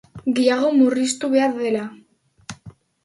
Gehiago murriztu behar dela.